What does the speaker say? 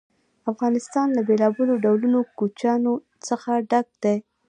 افغانستان له بېلابېلو ډولونو کوچیانو څخه ډک دی.